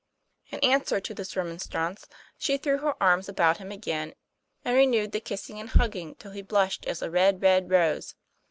In answer to this remonstrance, she threw her arms about him again, and renewed the kissing and hug ging till he blushed as a red, red rose.